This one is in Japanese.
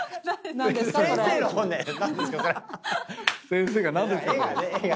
先生が「何ですか？